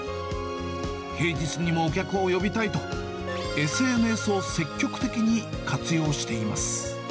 平日にもお客を呼びたいと、ＳＮＳを積極的に活用しています。